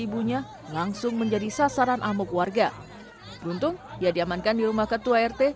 ibunya langsung menjadi sasaran amuk warga beruntung ia diamankan di rumah ketua rt